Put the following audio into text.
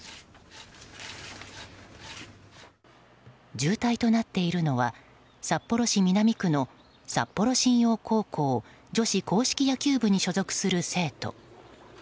重体となっているのは札幌市南区の札幌新陽高校女子硬式野球部に所属する生徒。